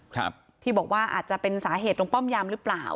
ครับที่บอกว่าอาจจะเป็นสาเหตุตรงป้อมยามหรือเปล่า